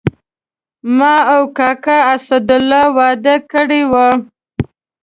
ما او کاکا اسدالله وعده کړې وه.